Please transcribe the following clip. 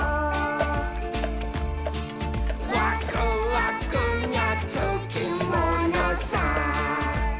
「ワクワクにゃつきものさ」